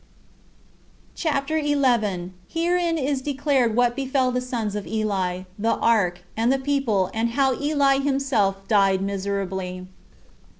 22 CHAPTER 11. Herein Is Declared What Befell The Sons Of Eli, The Ark, And The People And How Eli Himself Died Miserably.